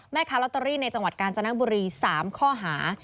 แม่ค้าลอตเตอรี่ในจังหวัดกาญจนบุรี๓ข้อหา